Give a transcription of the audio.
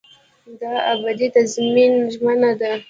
دا ابدي تضمین ژمنه ده.